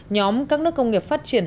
nhóm các nước công nghiệp phát triển